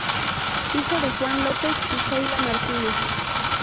Hijo de Juan López y Zoila Martínez.